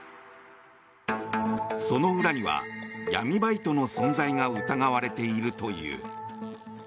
その裏には、闇バイトの存在が疑われているという。